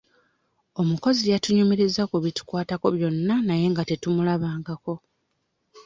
Omukozi yatunyumirizza ku bitukwatako byonna naye nga tetumulabangako.